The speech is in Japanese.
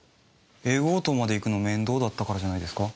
Ａ号棟まで行くのが面倒だったからじゃないですか？